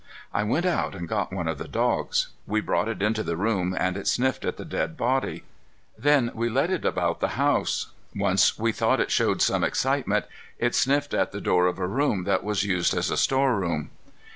I went out and got one of the dogs. We brought it into the room and it sniffed at the dead body. Then we led it about the house. Once we thought it showed some excitement. It sniffed at the door of a room that was used as a storeroom.